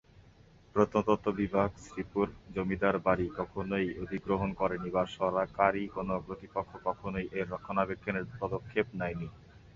প্রত্নতত্ত্ব বিভাগ 'শ্রীপুর জমিদার বাড়ি' কখনই অধিগ্রহণ করেনি বা সরকারি কোন কর্তৃপক্ষ কখনই এর রক্ষণাবেক্ষণের পদক্ষেপ নেয়নি।